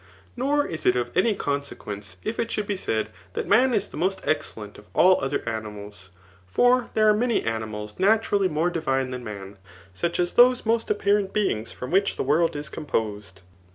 Nor is it of any consequence, if it should be said that man is the most ex cellent of all other animals ; Jbr there are martg animals naturally more divine than man^ such as those most ap ^ parent beingsjrom which the world is composed.